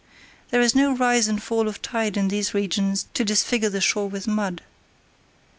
There is no rise and fall of tide in these regions to disfigure the shore with mud.